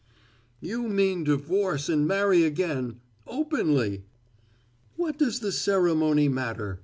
"You mean divorce and marry again openly!" "What does the ceremony matter?